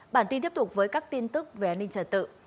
bản tin tiếp tục với các tin tức về an ninh trật tự